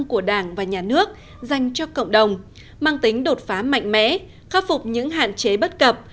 của đảng và nhà nước dành cho cộng đồng mang tính đột phá mạnh mẽ khắc phục những hạn chế bất cập